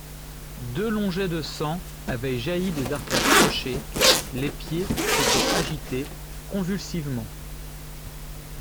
Deux longs jets de sang avaient jailli des artères tranchées, les pieds s'étaient agités convulsivement.